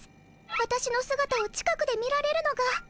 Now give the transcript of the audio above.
わたしのすがたを近くで見られるのが。